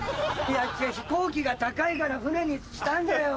いや飛行機が高いから船にしたんだよ。